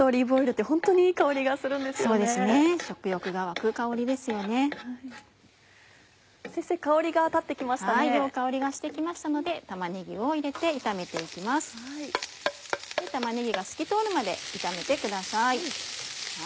では香りがして来ましたので玉ねぎを入れて炒めて行きます。